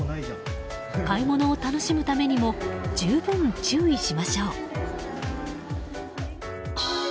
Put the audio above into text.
買い物を楽しむためにも十分、注意しましょう。